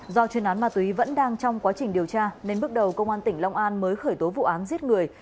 do chuyên án ma túy vẫn đang trong quá trình điều tra nên bước đầu công an tỉnh long an mới khởi tố vụ án giết người